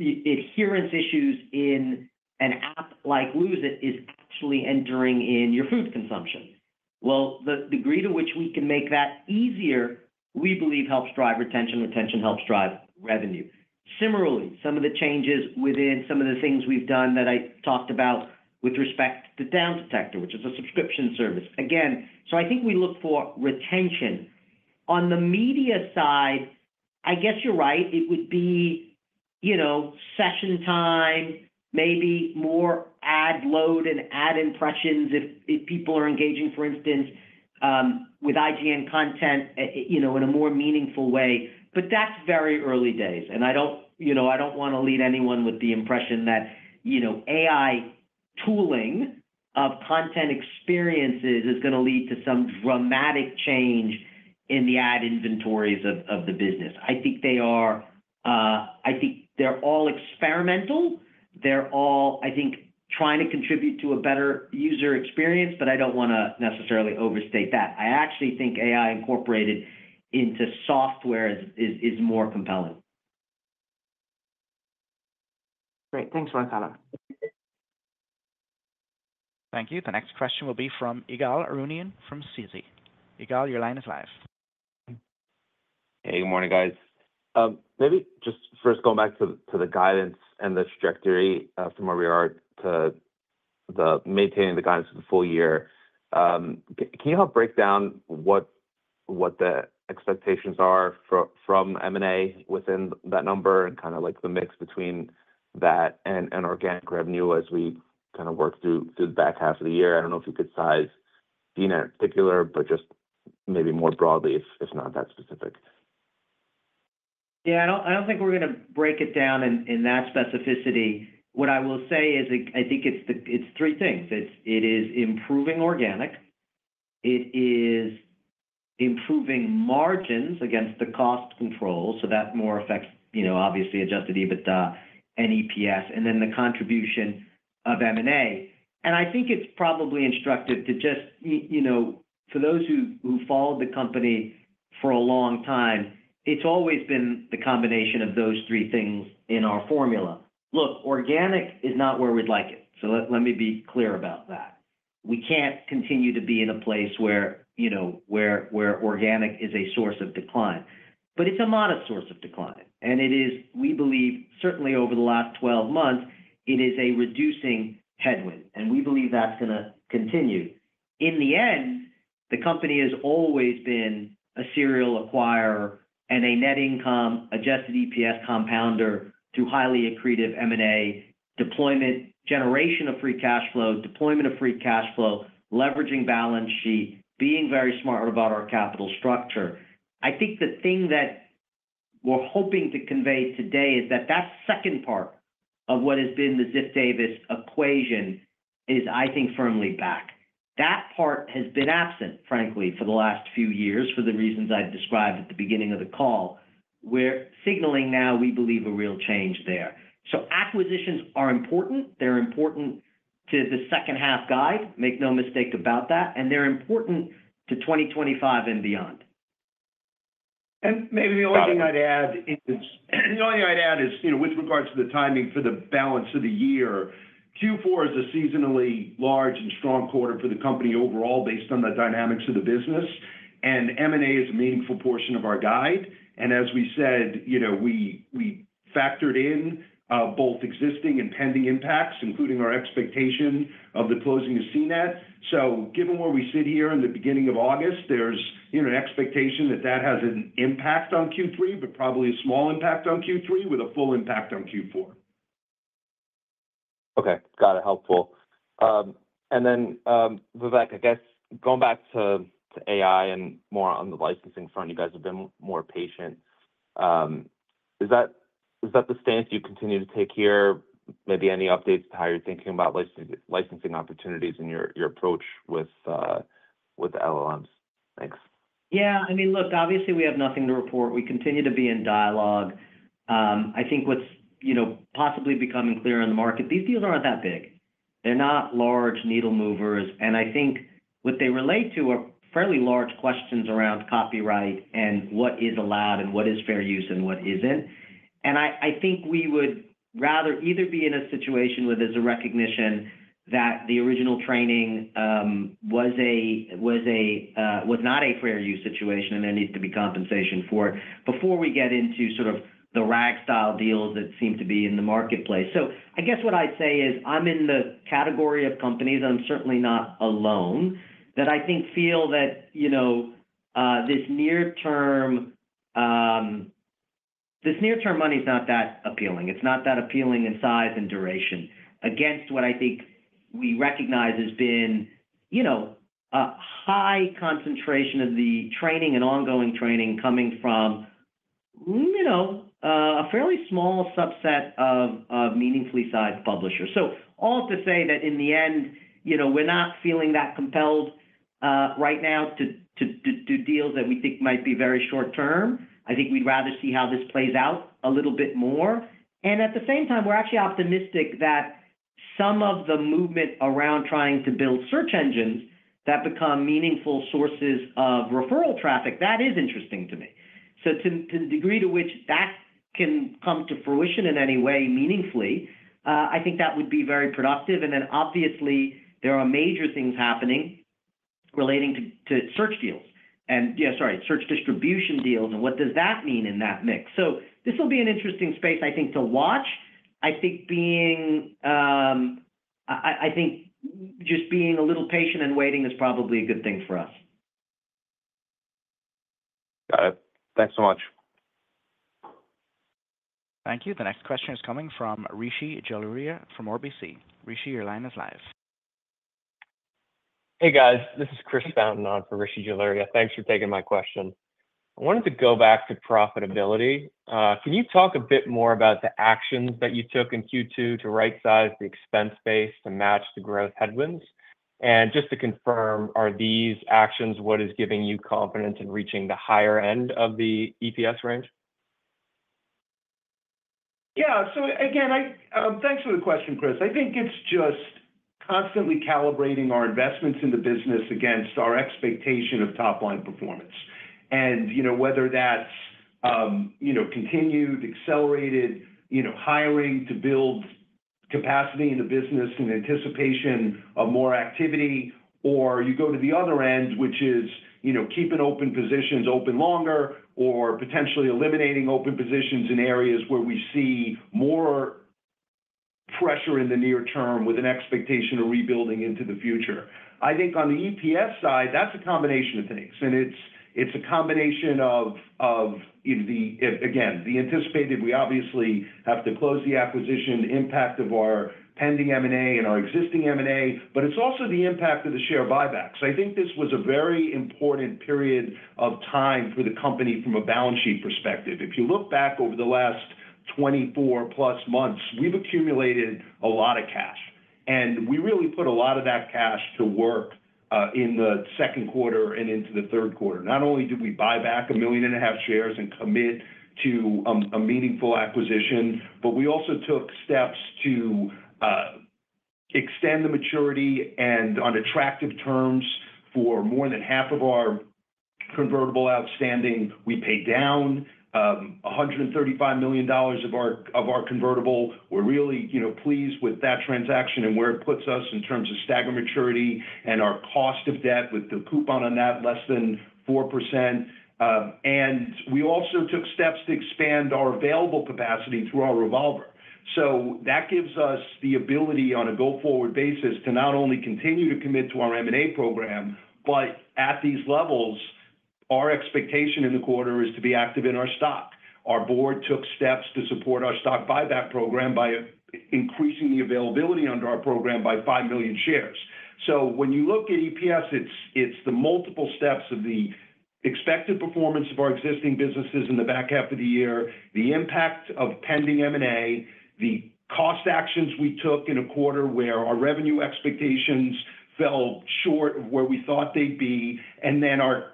adherence issues in an app like Lose It! is actually entering in your food consumption. Well, the degree to which we can make that easier, we believe helps drive retention. Retention helps drive revenue. Similarly, some of the changes within some of the things we've done that I talked about with respect to Downdetector, which is a subscription service. Again, so I think we look for retention. On the media side, I guess you're right. It would be, you know, session time, maybe more ad load and ad impressions if, if people are engaging, for instance, with IGN content, you know, in a more meaningful way. But that's very early days, and I don't, you know, I don't wanna leave anyone with the impression that, you know, AI tooling of content experiences is gonna lead to some dramatic change in the ad inventories of the business. I think they are. I think they're all experimental. They're all, I think, trying to contribute to a better user experience, but I don't wanna necessarily overstate that. I actually think AI incorporated into software is more compelling. Great. Thanks, Vivek. Thank you. The next question will be from Ygal Arounian from Citi. Ygal, your line is live. Hey, good morning, guys. Maybe just first going back to the guidance and the trajectory from where we are to maintaining the guidance for the full year. Can you help break down what the expectations are from M&A within that number, and kind of, like, the mix between that and organic revenue as we kind of work through the back half of the year? I don't know if you could size CNET in particular, but just maybe more broadly, if not that specific. Yeah, I don't think we're gonna break it down in that specificity. What I will say is, I think it's the- it's three things. It's, it is improving organic, it is improving margins against the cost controls, so that more affects, you know, obviously Adjusted EBITDA and EPS, and then the contribution of M&A. And I think it's probably instructive to just, you know, for those who've followed the company for a long time, it's always been the combination of those three things in our formula. Look, organic is not where we'd like it, so let me be clear about that. We can't continue to be in a place where, you know, organic is a source of decline, but it's a modest source of decline. It is, we believe, certainly over the last twelve months, it is a reducing headwind, and we believe that's gonna continue. In the end, the company has always been a serial acquirer and a net income adjusted EPS compounder through highly accretive M&A deployment, generation of free cash flow, deployment of free cash flow, leveraging balance sheet, being very smart about our capital structure. I think the thing that we're hoping to convey today is that, that second part of what has been the Ziff Davis equation is, I think, firmly back. That part has been absent, frankly, for the last few years, for the reasons I've described at the beginning of the call. We're signaling now, we believe, a real change there. So acquisitions are important. They're important to the second half guide, make no mistake about that, and they're important to 2025 and beyond. And maybe the only thing I'd add is, the only thing I'd add is, you know, with regards to the timing for the balance of the year, Q4 is a seasonally large and strong quarter for the company overall, based on the dynamics of the business, and M&A is a meaningful portion of our guide. And as we said, you know, we, we factored in both existing and pending impacts, including our expectation of the closing of CNET. So given where we sit here in the beginning of August, there's, you know, an expectation that that has an impact on Q3, but probably a small impact on Q3, with a full impact on Q4. Okay. Got it, helpful. And then, Vivek, I guess going back to AI and more on the licensing front, you guys have been more patient. Is that the stance you continue to take here? Maybe any updates to how you're thinking about licensing opportunities and your approach with the LLMs?... Yeah, I mean, look, obviously, we have nothing to report. We continue to be in dialogue. I think what's, you know, possibly becoming clear in the market, these deals aren't that big. They're not large needle movers, and I think what they relate to are fairly large questions around copyright and what is allowed, and what is fair use and what isn't. And I think we would rather either be in a situation where there's a recognition that the original training was not a fair use situation, and there needs to be compensation for it, before we get into sort of the RAG-style deals that seem to be in the marketplace. So I guess what I'd say is, I'm in the category of companies, and I'm certainly not alone, that I think feel that, you know, this near-term, this near-term money is not that appealing. It's not that appealing in size and duration against what I think we recognize has been, you know, a high concentration of the training and ongoing training coming from, you know, a fairly small subset of meaningfully sized publishers. So all to say that in the end, you know, we're not feeling that compelled, right now to do deals that we think might be very short term. I think we'd rather see how this plays out a little bit more. At the same time, we're actually optimistic that some of the movement around trying to build search engines that become meaningful sources of referral traffic, that is interesting to me. So to the degree to which that can come to fruition in any way meaningfully, I think that would be very productive. And then, obviously, there are major things happening relating to search deals and, yeah, sorry, search distribution deals, and what does that mean in that mix? So this will be an interesting space, I think, to watch. I think being a little patient and waiting is probably a good thing for us. Got it. Thanks so much. Thank you. The next question is coming from Rishi Jaluria from RBC. Rishi, your line is live. Hey, guys. This is Chris Fountain on for Rishi Jaluria. Thanks for taking my question. I wanted to go back to profitability. Can you talk a bit more about the actions that you took in Q2 to rightsize the expense base to match the growth headwinds? And just to confirm, are these actions what is giving you confidence in reaching the higher end of the EPS range? Yeah. So again, thanks for the question, Chris. I think it's just constantly calibrating our investments in the business against our expectation of top-line performance. And, you know, whether that's, you know, continued, accelerated, you know, hiring to build capacity in the business in anticipation of more activity, or you go to the other end, which is, you know, keeping open positions open longer or potentially eliminating open positions in areas where we see more pressure in the near term with an expectation of rebuilding into the future. I think on the EPS side, that's a combination of things, and it's a combination of, again, the anticipated, we obviously have to close the acquisition impact of our pending M&A and our existing M&A, but it's also the impact of the share buybacks. I think this was a very important period of time for the company from a balance sheet perspective. If you look back over the last 24+ months, we've accumulated a lot of cash, and we really put a lot of that cash to work in the second quarter and into the third quarter. Not only did we buy back 1.5 million shares and commit to a meaningful acquisition, but we also took steps to extend the maturity and on attractive terms for more than half of our convertible outstanding. We paid down $135 million of our convertible. We're really, you know, pleased with that transaction and where it puts us in terms of staggered maturity and our cost of debt with the coupon on that, less than 4%. And we also took steps to expand our available capacity through our revolver. So that gives us the ability on a go-forward basis to not only continue to commit to our M&A program, but at these levels, our expectation in the quarter is to be active in our stock. Our board took steps to support our stock buyback program by increasing the availability under our program by 5 million shares. So when you look at EPS, it's the multiple steps of the expected performance of our existing businesses in the back half of the year, the impact of pending M&A, the cost actions we took in a quarter where our revenue expectations fell short of where we thought they'd be, and then our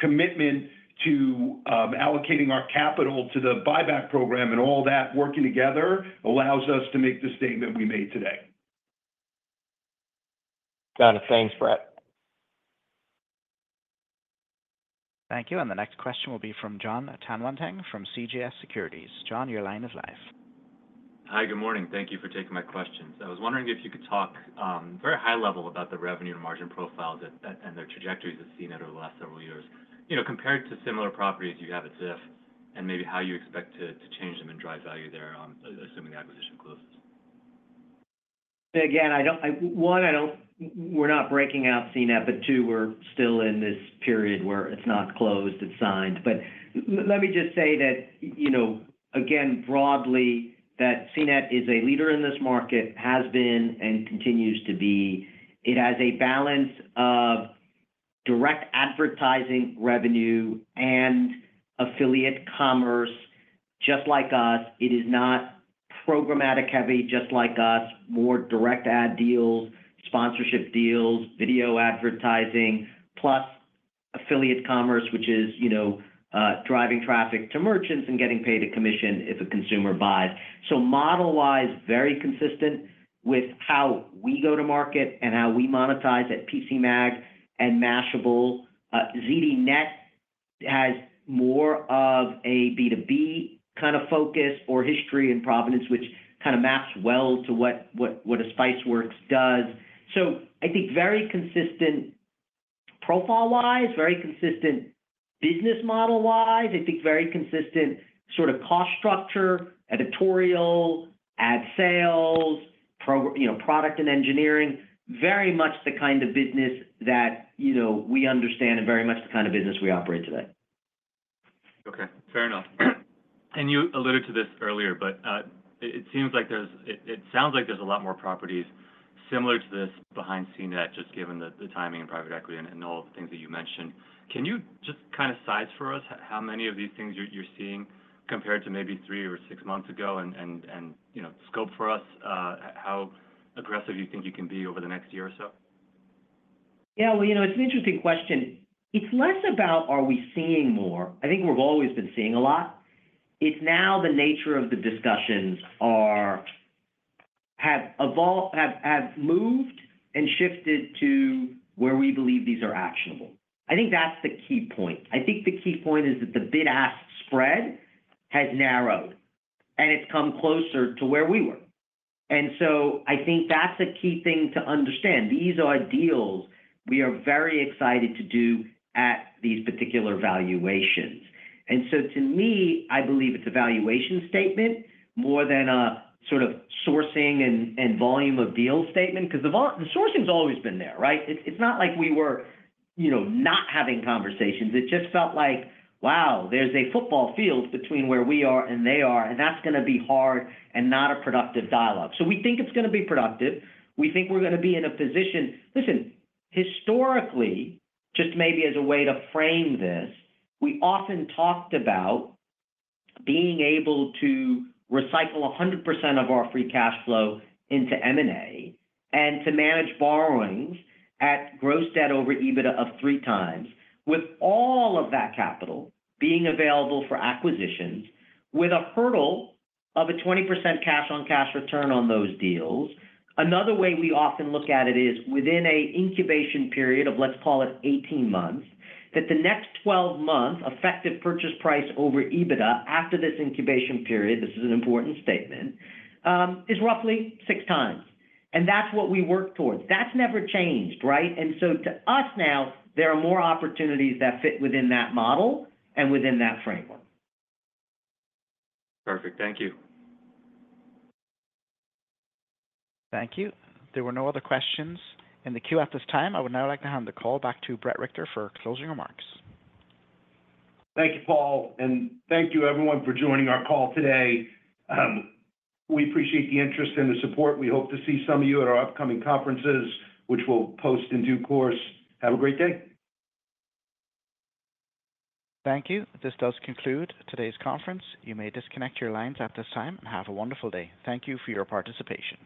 commitment to allocating our capital to the buyback program and all that working together allows us to make the statement we made today. Got it. Thanks, Bret. Thank you, and the next question will be from John Tanwanteng from CJS Securities. John, your line is live. Hi, good morning. Thank you for taking my questions. I was wondering if you could talk very high level about the revenue and margin profiles that, and their trajectories as CNET over the last several years. You know, compared to similar properties you have at Ziff, and maybe how you expect to change them and drive value there on, assuming the acquisition closes. Again, one, we're not breaking out CNET, but two, we're still in this period where it's not closed, it's signed. But let me just say that, you know, again, broadly, that CNET is a leader in this market, has been and continues to be. It has a balance of direct advertising revenue and affiliate commerce.... Just like us, it is not programmatic heavy, just like us. More direct ad deals, sponsorship deals, video advertising, plus affiliate commerce, which is, you know, driving traffic to merchants and getting paid a commission if a consumer buys. So model-wise, very consistent with how we go to market and how we monetize at PCMag and Mashable. ZDNet has more of a B2B kind of focus or history and provenance, which kind of maps well to what a Spiceworks does. So I think very consistent profile-wise, very consistent business model-wise, I think very consistent sort of cost structure, editorial, ad sales, you know, product and engineering. Very much the kind of business that, you know, we understand and very much the kind of business we operate today. Okay, fair enough. And you alluded to this earlier, but it seems like there's... It sounds like there's a lot more properties similar to this behind CNET, just given the timing in private equity and all of the things that you mentioned. Can you just kind of size for us how many of these things you're seeing compared to maybe three or six months ago? And you know, scope for us how aggressive you think you can be over the next year or so? Yeah, well, you know, it's an interesting question. It's less about are we seeing more? I think we've always been seeing a lot. It's now the nature of the discussions have evolved, have moved and shifted to where we believe these are actionable. I think that's the key point. I think the key point is that the bid-ask spread has narrowed, and it's come closer to where we were. And so I think that's a key thing to understand. These are deals we are very excited to do at these particular valuations. And so to me, I believe it's a valuation statement more than a sort of sourcing and volume of deals statement, because the sourcing's always been there, right? It's not like we were, you know, not having conversations. It just felt like: Wow, there's a football field between where we are and they are, and that's gonna be hard and not a productive dialogue. So we think it's gonna be productive. We think we're gonna be in a position... Listen, historically, just maybe as a way to frame this, we often talked about being able to recycle 100% of our free cash flow into M&A and to manage borrowings at gross debt over EBITDA of 3x, with all of that capital being available for acquisitions with a hurdle of a 20% cash-on-cash return on those deals. Another way we often look at it is, within an incubation period of, let's call it 18 months, that the next 12-month effective purchase price over EBITDA after this incubation period, this is an important statement, is roughly 6x, and that's what we work towards. That's never changed, right? And so to us now, there are more opportunities that fit within that model and within that framework. Perfect. Thank you. Thank you. There were no other questions in the queue at this time. I would now like to hand the call back to Bret Richter for closing remarks. Thank you, Paul, and thank you everyone for joining our call today. We appreciate the interest and the support. We hope to see some of you at our upcoming conferences, which we'll post in due course. Have a great day. Thank you. This does conclude today's conference. You may disconnect your lines at this time and have a wonderful day. Thank you for your participation.